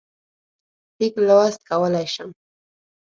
لیک لوست کولای شم.